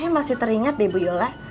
saya masih teringat deh bu yola